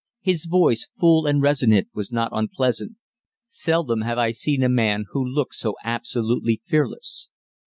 His voice, full and resonant, was not unpleasant. Seldom have I seen a man who looked so absolutely fearless.